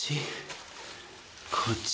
こっち？